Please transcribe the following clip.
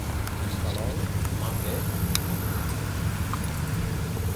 En Palol, m'ha fet?